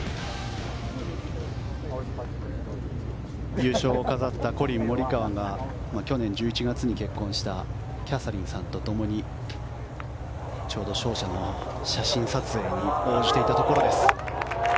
優勝を飾ったコリン・モリカワが去年１１月に結婚したキャサリンさんと共にちょうど勝者の写真撮影に応じていたところです。